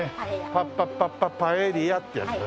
パッパッパッパッパエリアってやつね。